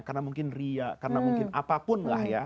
karena mungkin ria karena mungkin apapun lah ya